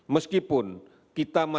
meskipun kita masih hukum